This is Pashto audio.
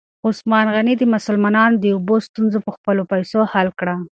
عثمان غني د مسلمانانو د اوبو ستونزه په خپلو پیسو حل کړه.